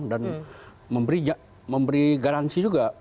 dan memberi garansi juga